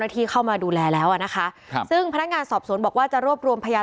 ที่เข้ามาดูแลแล้วอ่ะนะคะครับซึ่งพนักงานสอบสวนบอกว่าจะรวบรวมพยาน